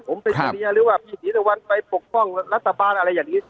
ผมเป็นเมียหรือว่าพี่ศรีตะวันไปปกป้องรัฐบาลอะไรอย่างนี้